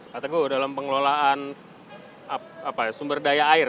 pak teguh dalam pengelolaan sumber daya air